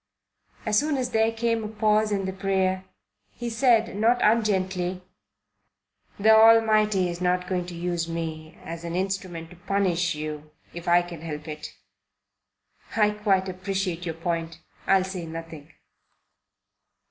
As soon as there came a pause in the prayer, he said not ungently: "The Almighty is not going to use me as an instrument to punish you, if I can help it. I quite appreciate your point. I'll say nothing."